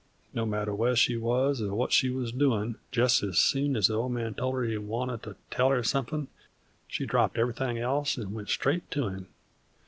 No matter where she wuz or what she wuz a doin', jest as soon as the Old Man told her he wanted to tell her somethin' she dropped ever'thing else 'nd went straight to him.